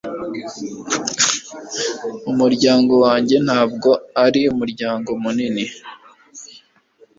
Umuryango wanjye ntabwo ari umuryango munini